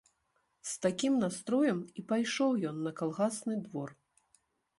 З такім настроем і пайшоў ён на калгасны двор.